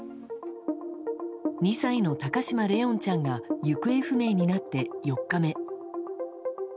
２歳の高嶋怜音ちゃんが行方不明になって４日目。